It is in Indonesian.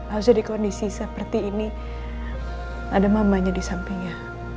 harusnya di kondisi seperti ini ada mamanya di sampingnya